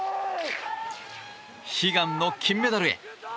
悲願の金メダルへ。